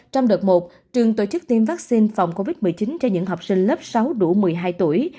trong đợt một trường tổ chức tiêm vaccine phòng covid một mươi chín cho những học sinh lớp sáu đủ một mươi hai tuổi